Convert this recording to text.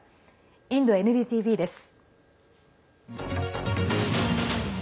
インドＮＤＴＶです。